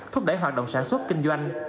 thúc đẩy hoạt động sản xuất kinh doanh